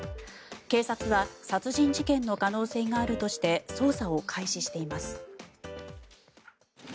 警察は殺人事件の可能性があるとして捜査を開始しています。